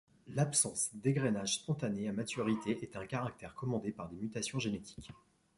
L'absence d'égrenage spontané à maturité est un caractère commandé par des mutations génétiques.